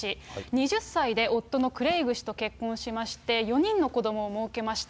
２０歳で夫のクレイグ氏と結婚しまして、４人の子どもをもうけました。